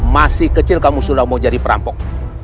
masih kecil kamu sudah mau jadi perampok